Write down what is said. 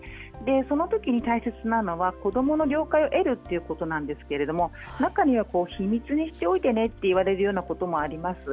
そのときに大切なのは子どもの了解を得ることですが中には秘密にしておいてねと言われることもあります。